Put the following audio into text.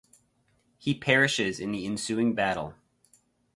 He perishes in the ensuing battle.